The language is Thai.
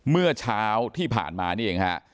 เมื่อเช้าที่ผ่านมานี่เองฮะ